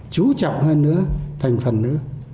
chú trọng hơn nữa thành phần nữa